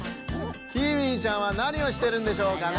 キーウィちゃんはなにをしてるんでしょうかね？